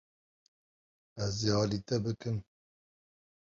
Ez ê alî te bikim.